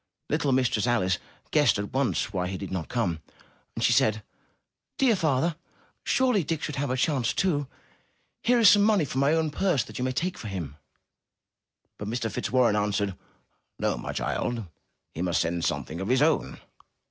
Little Mistress Alice guessed at once why he did not come, and she said: ''Dear father, surely Dick should have a chance too. Here is some money from my own purse that you may take for him.*' But Mr. Fitzwarren answered, ''No, my child! He must send something of his own."